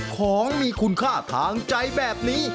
ของมีคุณค่าทางใจแบบนี้